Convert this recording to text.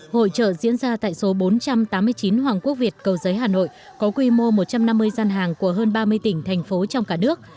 hội trợ diễn ra tại số bốn trăm tám mươi chín hoàng quốc việt cầu giấy hà nội có quy mô một trăm năm mươi gian hàng của hơn ba mươi tỉnh thành phố trong cả nước